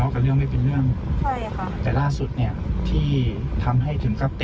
ครูทำร้ายครับ